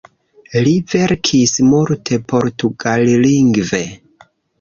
Li verkis multe portugallingve.